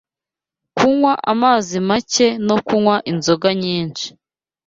kunywa amazi make no kunywa izoga nyinshi